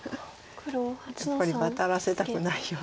やっぱりワタらせたくないよと。